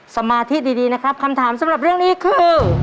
สมาธิดีนะครับคำถามสำหรับเรื่องนี้คือ